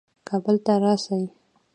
کابل ته راسي.